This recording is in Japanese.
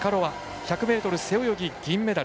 １００ｍ背泳ぎ銀メダル。